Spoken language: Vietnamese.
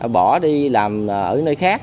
bỏ đi làm ở nơi khác